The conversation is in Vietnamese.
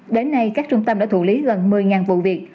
đến nay các trung tâm đã thủ lý gần một mươi vụ việc